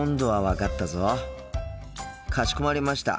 かしこまりました。